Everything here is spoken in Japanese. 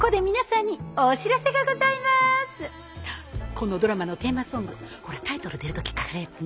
このドラマのテーマソングほらタイトル出る時かかるやつね。